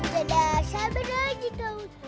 dadah sabar aja kau